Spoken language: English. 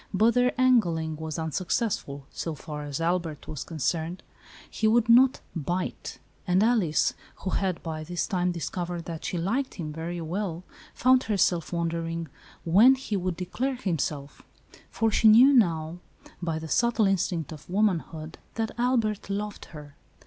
But their angling was unsuccessful, so far as Albert was con cerned. He would not " bite ;" and Alice, who had, by this time, discovered that she liked him very well, found herself wondering when he would declare himself ; for she knew now, by the subtle instinct of womanhood, that Albert loved her.